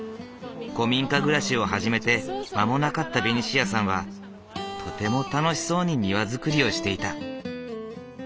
古民家暮らしを始めて間もなかったベニシアさんはとても楽しそうに庭造りをしていた。